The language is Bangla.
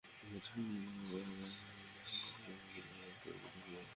গতকাল শুক্রবার দিবাগত রাতে রাজধানীর খিলগাঁওয়ের শ্বশুরবাড়ি থেকে বাবুল আক্তারকে পুলিশ নিয়ে যায়।